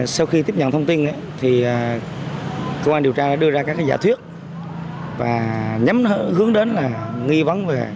sau khi tiếp nhận thông tin thì công an điều tra đưa ra các giả thuyết và nhắm hướng đến là nghi vấn